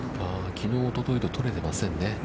きのう、おとといと取れてませんね。